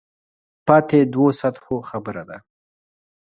پاتې دوو سطحو خبره ده.